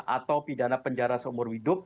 atau pidana penjara seumur hidup